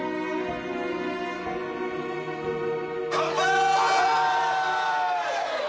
乾杯！